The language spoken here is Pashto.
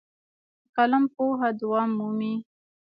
په قلم پوهه دوام مومي.